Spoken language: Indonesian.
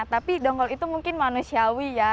tapi donggol itu mungkin manusiawi ya